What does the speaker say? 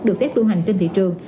được phép đua hành trên thị trường